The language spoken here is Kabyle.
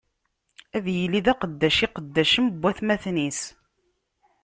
Ad yili d aqeddac n iqeddacen n watmaten-is!